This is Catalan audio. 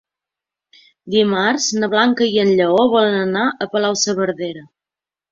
Dimarts na Blanca i en Lleó volen anar a Palau-saverdera.